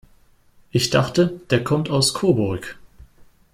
Ich dachte, der kommt aus Coburg?